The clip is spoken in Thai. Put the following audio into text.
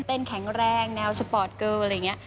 แข็งแรงแนวสปอร์ตเกอร์อะไรอย่างนี้